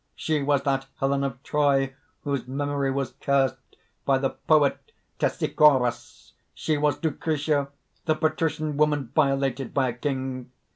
"She was that Helen of Troy, whose memory was cursed by the poet Stesichorus. She was Lucretia, the patrician woman violated by a king.